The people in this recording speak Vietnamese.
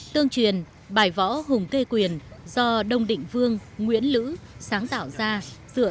tương truyền bài võ hùng cây quyền do đông định vương nguyễn lữ sáng tạo ra